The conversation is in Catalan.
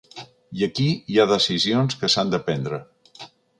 I aquí hi ha decisions que s’han de prendre.